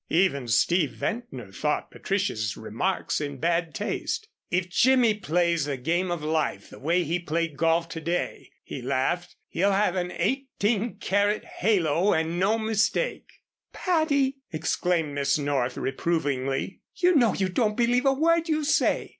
Even Steve Ventnor thought Patricia's remarks in bad taste. "If Jimmy plays the game of life the way he played golf to day," he laughed, "he'll have an eighteen karat halo, and no mistake." "Patty!" exclaimed Miss North, reprovingly. "You know you don't believe a word you say.